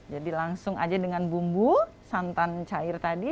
jadi langsung aja dengan bumbu santan cair tadi